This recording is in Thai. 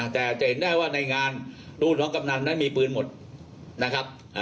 แต่จะเห็นได้ว่าในงานรูดของกำนันนั้นมีปืนหมดนะครับ